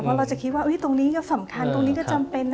เพราะเราจะคิดว่าตรงนี้ก็สำคัญตรงนี้ก็จำเป็นนะ